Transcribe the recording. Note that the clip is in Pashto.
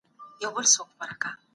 د ټاکنو پايلي څه ډول اعلانیږي؟